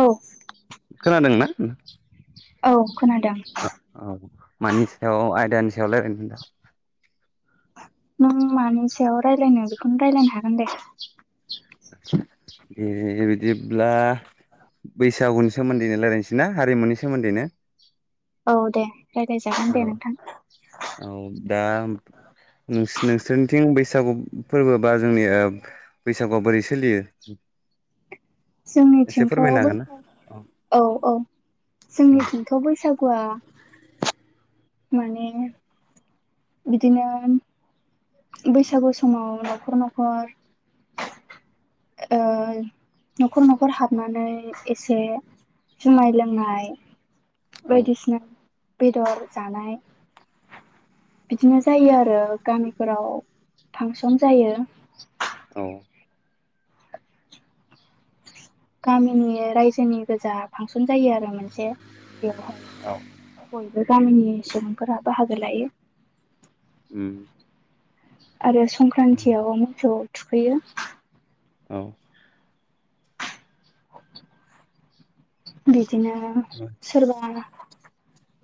औ खोनादोंना? औ खोनादों औ मानि सायाव आयदानि सायाव रायलायनो दा? नों मानि सायाव रायजलायनो बेखौनो रायलायनो हागोन दे। दे बिदिब्ला बैसागुनि सोमोन्दैनो रायजलायनोसै ना हारिमुनि सोमोन्दैनो? औ दे। रायलायजागोन दे औ नोंथां औ दा नोंसोर नोंसोरनिथिं बैसागु फोरबो बा जोंनि ओ बैसागुआ बोरै सोलियो एसे जोंनिथिंथ' फोरमायनो हागोन ना? बैसागो औ औ जोंनिथिंथ' बैसागुआ माने बिदिनो बैसागु समाव न'खर न'खर ओ न'खर न'खर हाबनानै एसे जुमाय लोंनाय औ बायदिसिना बेदर जानाय बिदिनो जायो आरो गामिफोराव फांसन जायो। औ। गामिनि रायजोनि गोजा फांसन जायो आरो मोनसे। बेवहाय बय बो गामिनि सुबुंफोरा बाहागो लायो उम। आरो संक्रान्तियाव मोसौ थुखैयो। औ। बि दिनो सोरबा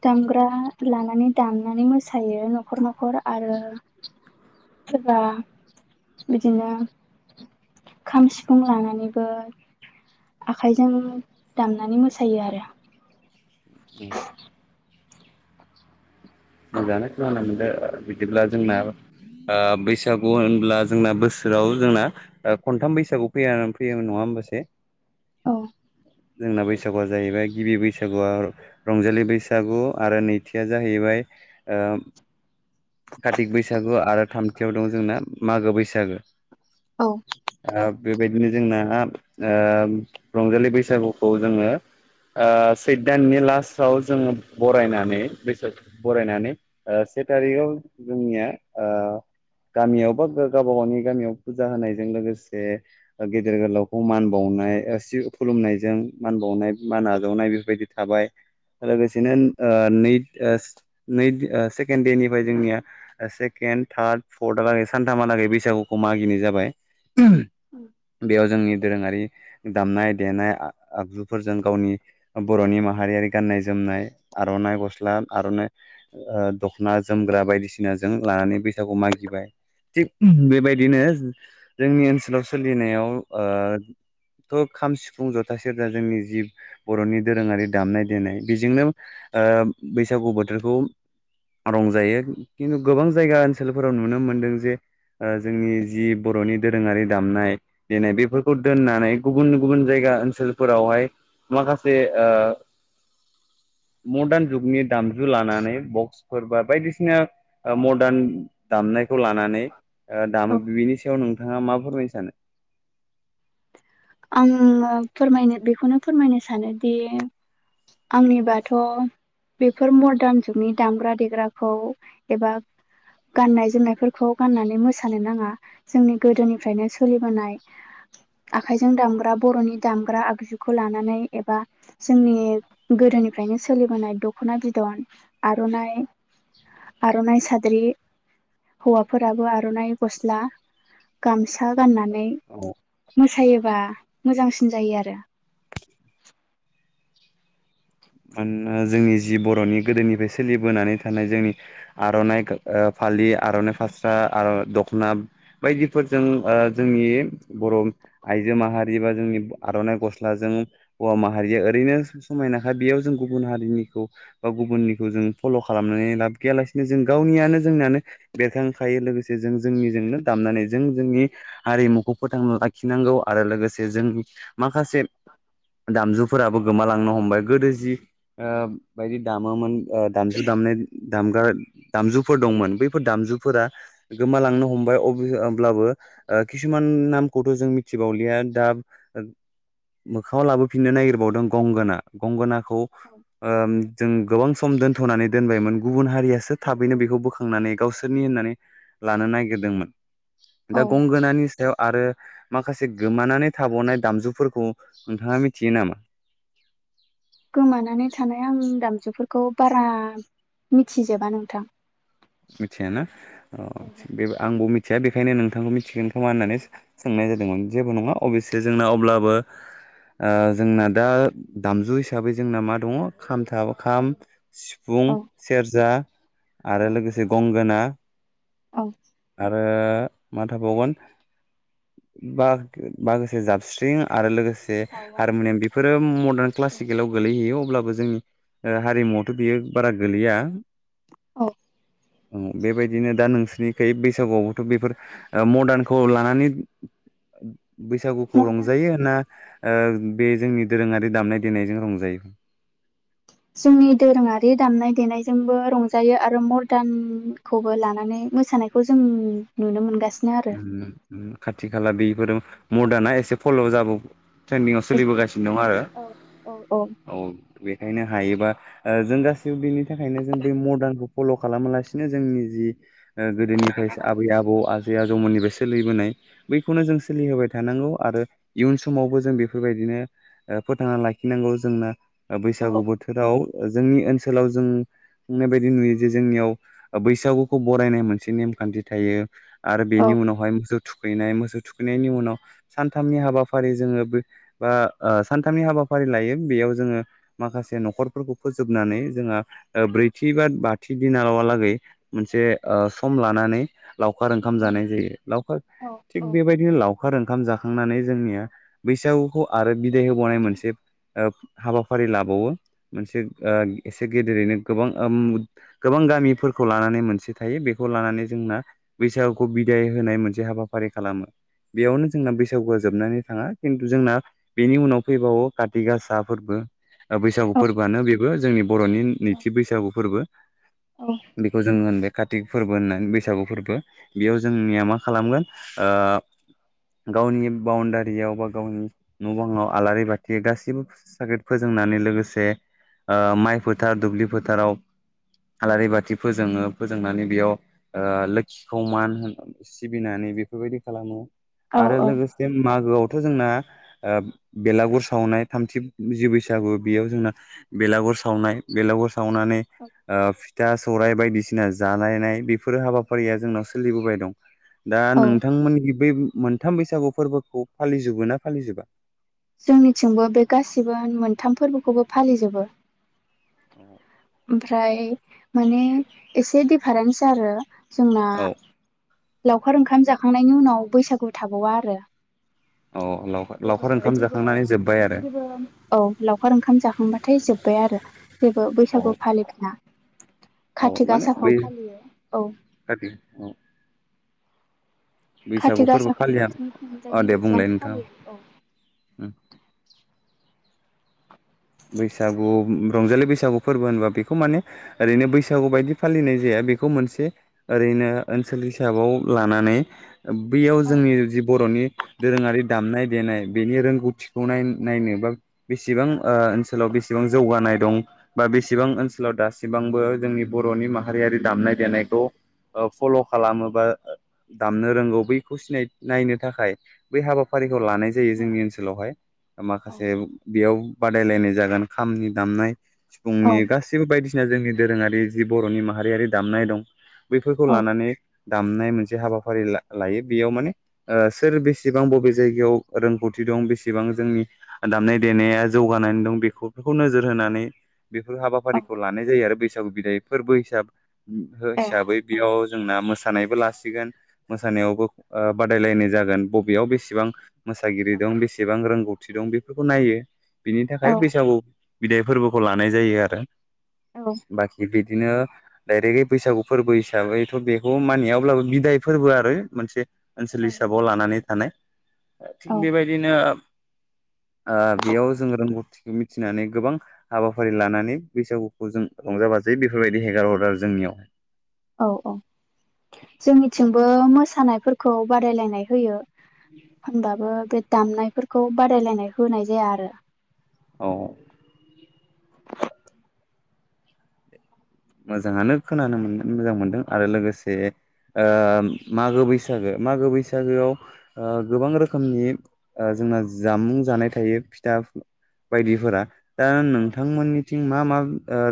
दामग्रा लानानै दामनानै मोसायो न'खर न'खर आरो सोरबा बिदिनो खाम सिफुं लानानैबो आखाइजों दामनानै मोसायो आरो। [inaudible] मोजाङानो खोनानो मोनदों। ओ बिदिब्ला जोंना आ बैसागु होनब्ला जोंना बोसोराव जोंना खनथाम बैसागु फैया फैयोमोन नङा होमबासै? औ। जोंना बैसागुआ जाहैबाय गिबि बैसागुआ रंजालि बैसागु आरो नैथिया जाहैबाय ओ कातिक बैसागु आरो थामथियाव दं जोंना मागो बैसागो औ ओ बेबायदिनो जोंना आब ओ रंजालि बैसागुखौ जोङो आ सैथ दाननि लासाव जोङो बरायनानै बैसागु बरायनानै से आ थारिखआव जोंनिया आ गामियाव बा गो गावबा गावनि गामियाव फुजा होनायजों लोगोसे, ओ गेदेर गोलावखौ मान बाउनाय औ सिउ खुलुमनायजों मान बावनाय मान आजावनाय बेफोरबायदि थाबाय लोगोसेनो आ नै ओ सिथ नै दि आ सेकेण्ड दे निफ्राय जोंनिया सेकेण्ड थार्द फर्थहालागै सानथामहालागै बैसागुखौ मागिनाय जाबाय बेयाव जोंनि दोरोङारि दामनाय देनाय आ आगजुफोरजों गावनि बर'नि माहारियारि गाननाय जोमनाय आर'नाइ गस्ला आर'नाइ ओ दख'ना जोमग्रा बायदिसिना जों लानानै बैसागुवाव मागिबाय, थिग उम बेबायदिनो जोंनि ओनसोलाव सोलिनायाव ओ थ' खाम सिफुं जथा सेरजा जोंनि जिब बर'नि दोरोङारि दामनाय देनाय बेजोंनो ओ बैसागु बोथोरखौ रंजायो। खिन्थु गोबां जायगा ओनसोलफोराव नुनो मोनदों जे ओ जोंनि जि बर'नि दोरोङारि दामनाय दिनै बेफोरखौ दोननानै गुबुन गुबुन जायगा ओन सोलफोरावहाय माखासे ओ मडार्न जुगनि दामजु लानानै बक्सफोर बा बायदिसिना ओ मडार्न दामनाय खौ लानानै दामो औ बिनि सायाव नोंथाङा मा फोरमायनो सानो? आङो फोरमायनो बेखौनो फोरमायनो सानोदि आंनिबाथ' बेफोर मडार्न जुगनि दामग्रा देग्राखौ एबा गाननाय जोमनायफोरखौ गाननानै मोसानो नाङा जोंनि गोदोनिफ्रायनो सोलिबोनाय आ आखाइजों दामग्रा बर'नि दामग्रा आगजुखौ लानानै एबा जोंनि गोदोनिफ्रायनो सोलिबोनाय दख'ना बिदन आर'नाइ आर'नाइ साद्रि हौवाफोराबो आर'नाइ गस्ला गामसा गानना नै मोस। औ मोसायोबा मोजांसिन जायो आरो। मानोन जोंनि जि बर'नि गोदोनिफ्राय सोलिबोनानै थानाय जोंनि आर'नाइ गा ओ फालि आर'नाइ फास्रा आर' दख'ना बायदिफोरजों ओ जोंनि बर' आइजो माहारि बा जोंनि आर'नाइ गस्लाजों हौवा माहारिया ओरैनो समायना। हाद बेयाव जों गुबुन हारिनिखौ बा गुबुननिखौ जों फल' खालामनानै लाब गैयालासिनो जों गावनियानो जोंनियानो बेरखांखायो लोगोसे जों जोंनिजोंनो दामनानै जों जोंनि हारिमुखौ फोथांना लाखिनांगौ आरो लोगोसे जों माखासे दामजुफोराबो गोमालांनो हमबाय। गोदो जि आ औ बायदि दामोमोन ओ दामजु दामनाय दामग्रा दामजुफोर दंमोन बैफोर दामजुफोरा गोमालांनो हमबाय अ अब्लाबो खिसुमान नामखौथ' जों मिथिबावलिया दा मोखाङाव लाबोफिननो नागिरबावदों गंगोना। गंगोना खौ औ ओ जों गोबां सम दोन्थ'नानै दोनबायमोन गुबुन हारियासो औ औ। थाबैनो बेखौ बोखांनानै गावसोरनि होननानै लानो नागिरदोंमोन औ दा गंगोनानि सायाव आरो माखासे गोमानानै थाबावनाय दामजुफोरखौ नोंथाङा मिथियो नामा गोमानानै थानाय आं दामजुफोरखौ बारा मिथिजोबा नोंथां मिथियाना अ बे आंबो मिथि मिथिया बेखायनो नोंथांखौ मिथिगोन खोमा होननानै सोंनाय जादोंमोन जेबो नङा अबयसे जोंना अब्लाबो ओ जोंना दा दामजु हिसाबै जोंना मा दङ खाम खाम सिफुं औ सेरजा आरो औ लोगोसे खोना औ आरो मा थाबावगोन ब माखासे जाबस्रिं आरो लोगोसे से खावा हारमुनियाम बेफोरो मदार्न क्लासिकेलाव गोलैहयो अब्लाबो जोंनि हारिमुवावथ' बियो बारा गोलैया औ औ बेबायदिनो दा नोंसोरनि बे बैसागुआवबोथ' बेफोर मरदानखौ लानानै बैसागुखौ मदार्न रंजायो ना ओ बे जोंनि दोरोङारि दामनाय देनायजों रंजायो जोंनि दोरोङारि दामनाय देनायजोंबो रंजायो आरो मरदानखौबो लानानै मोसानायखौ जों नुनो मोनगासिन खाथि ला बेफोर मदार्नाआ एसे फल' जाबाव ट्रेन्दिंआव सोलिबोगासिनो दं आरो औ औ औ बेखायनो हायोबा जों गासैबो बेनि थाखायनो जों बै मदार्नखौ फल' खालामालासिनो जोंनि जि गोदोनिफ्रायो आबै आबौ आज मोननिफ्राय सोलिबोनाय बैखौनो जों सोलिहोबाय थानांगौ आरो इयुन समावबो जों बेफोरबायदिनो फोथांना लाखिनांगौ जोंना बैसागु औ बोथोराव जोंनि ओनसोलाव जों बुंनाय बायदि नुयो जे जोंनियाव बैसागुखौ बरायनाय मोनसे नेमखान्थि थायो आरो बेनि उनावहाय मोसुद थुखैनाय मोसौ थुखैनायनि उनाव सानथामनि हाबाफारि जोङो बे बा सानथामनि हाबाफारि लायो बेयाव जोङो माखासे न'खरफोरखौ फोजोबनानै जोंहा ब्रैथि बा बाथि दिनालावहालागै मोनसे सम लानानै लाव लावखार ओंखाम जानाय जायो लावखार औ थिग बेबायदिनो लाव फोर ओंखाम जाखांनानै जोंनिया बैसागुखौ आरो बिदाय होबावनाय मोनसे हाबाफारि लाबावो मोनसे एसे गेदेरैनो गोबां गोबां गामिफोरखौ लानानै मोनसे थायो बेखौ लानानै जोंना बैसागुखौ बिदाय होनाय मोनसे हाबाफारि खालामो बेयावनो जोंना बैसागुआ जोबनानै थाङा खिन्थु जोंना बेनि उनाव फैबावो काति गासा फोरबो बैसागु फोरबोआनो बे बो जोंनि बर'नि नैथि बैसागु फोरबो बेखौ जोङो होनबाय कातिक फोरबो होननानै बैसागु फोरबो बेयाव जोंनिया मा खालामगोन गावनि बाउण्डारियाव बा गावनि न' बाङाव आलारि बाथि गासैबो साखेट फोजोंनानै लोगोसे माइ फोथार दुब्लि फोथाराव आलारि बाथि फोजोङो फोजोंनानै बेयाव ओ लो समान होन सिबिनानै बेफोरबायदि खालामो आरो औ लोगोसे मागोआव थ' जोंना बेलागुर सावनाय थामथि जि बैसागु बेयाव जोंना बेलागुर सावनाय बेलागुर सावनानै फिथा सौराइ बायदिसिना जालायनाय बेफोरो हाबा फारिया जोंनाव सोलिबोबाय दं दा औ नोंथांमोनथिं बे मोनथाम बैसागु फोरबोखौ फालिजोबो ना फालिजोबा जोंनिथिंबो बे गासिबो मोनथाम फोरबोखौबो फालिजोबो औ ओमफ्राय माने एसे डिफारेन्स आरो जोंना औ लावखार ओंखाम जाखांनायनि उनाव बैसागु थाबावा आरो औ लावखार लावखार ओंखाम जाखो औ लावखार ओंखाम जाखांबाथाय जोब बाय आरो जेबो औ बैसागु फालिला औ कारति माने बै गासाखौ फालियो औ खाथि औ खाथि बैसागु फोरबो गासाखौ फालिया नोंसोरनि अ थिंजायनि दे बुंलाय बायदियानो नोंथाङा फालियो औ उम बैसागु रंजालि बैसागु फोरबो होनबा बेखौ माने ओरैनो बैसागु बायदि फालिनाय जाया बेखौ मोनसे ओरैनो ओनसोल हिसाबाव लानानै बैयाव औ जोंनि जि बर'नि दोरोङारि दामनाय देनाय बेनि रोंगौथिखौनाय नायनो बा बेसेबां ओनसोलाव बेसेबां जौगानाय दं बा बेसेबां ओनसोलाव दासिबांबो जोंनि बर'नि माहारियारि दामनाय देनायखौ फल' खालामो बा दामनो रोंगौ बैखौ सिनाय नायनो थाखाय बै हाबाफारि लानाय जायो औ जोंनि ओनसोलावहाय माखासे बेयाव बादायलायनाय जागोन खामनि दामनाय सिफुंनि औ गासिबो बायदिसि जोंनि दोरोङारि जि बर'नि माहारियारि दामनाय दं बेफोरखौ लानानै दामनाय मोनसे हाबाफारि लायो बेयाव माने ओ सोर बेसेबां बबे जायगायाव रोंगौथि दं बेसेबां जोंनि दामनाय देनाया जौगानानै दं बेफोरखौ नोजोर होनानै बेफोर हाबाफारिखौ लानाय जायो आरो बैसाग बिदाय फोरबो हिसाब ए हिसाबै बेयाव जोंना मोसा मोसानायबो लासिगोन मोसानायावबो बादायलायनाय जागोन बबेयाव बेसेबां मोसागिरि दं बेसेबां रोंगौथि फुरथि दं बेफोरखौ नायहो। बिनि थाखाय औ बैसागु बिदाय फोरबोखौ लानाय जायो आरो। औ बाखि बिदिनो डायरेक बैसागु फोरबो हिसाबैथ' बेखौ मानिया अब्लाबो बिदाय फोरबो आरो मोनसे। ओनसोल हिसाबाव लानानै [unintelligible] थिग औ बेबायदिनो ओ बेयाव जों रोंगौथिखौ मिथिनानै गोबां हाबाफारि लानानै बैसागुखौ जों रंजा बाजायो बेफोरबायदि हेगार हरो आरो जोंनियावहाय। औ औ जोंनिथिंबो मोसौ मोसानायफोरखौ बादायलायनाय होयो। होमबाबो बे दामनायफोरखौ बादायलायनाय होनाय जाया आरो। औ [inaudible] मोजाङानो खोनानो मोनदों मोजां मोनदों आरो लोगोसे ओ मागो बैसागो मागो बैसागोआव ओ गोबां रोखोमनि ओ जोंना जामुं जानाय थायो फिथा बायदिफोरा दा नोंथांमोननिथिं मा मा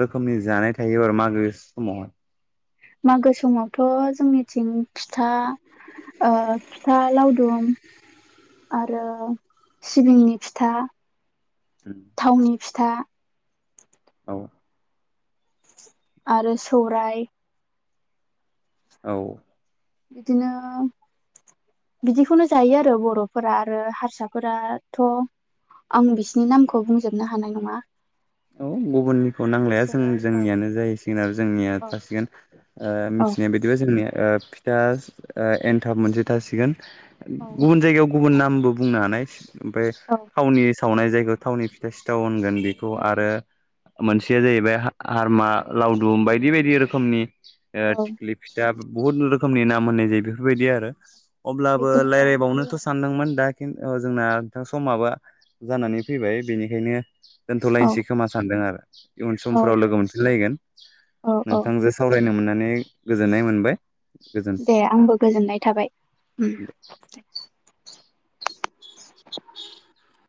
रोखोमनि जानाय थायो आरो मागो समावहाय मागो समावथ' जोंनिथिं फिथा फिथा लावदुम आरो सिबिंनि फिथा थावनि फिथा औ आरो सौराइ औ बिदिनो बिदिखौनो जायो आरो बर'फोरा आरो हारसाफोराथ' आं बिसिनि नामखौ बुंजोबनो हानाय नङा औ गुबुननिखौ नांलाया जों बिसोरो औ जोंनियानो जाहैसिगोन आरो जोंनिया थासिगोन ओ औ मिथिनाय बायदिबा जोंनिया ओ फिथा ओ एन्थाब मोनसे थासिगोन औ गुबुन जायगायाव गुबुन नामबो बुंनो हानाय ओमफाय औ थावनि सावनाय जायगायाव थावनि फिथा सिथाव होनगोन औ आरो मोनसेया जाहैबाय हार हारमा लावदुम बायदि बायदि रोखोमनि ओ औ थिख्लि फिथा बहुत नुनो रोखोमनि नाम होननाय जायो बेफोरबायदि आरो अब्लाबो बेखौनो जानाय लायरायबावनोथ' जायो सानदोंमोन दा जोंना नोंथां समाबा जानानै फैबाय बेनिखायनो दोन्थ'लायनोसै खोमा सानदों आरो [inaudible] इयुन आरो औ समफोराव दे लोगो मोनफिनलायगोन औ औ नोंथांजों सावरायनो मोनना नै गोजोननाय मोनबाय। गोजोन दे आंबो गोजोननाय थाबाय ओम [inaudible] [inaudible]